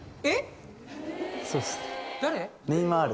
えっ！？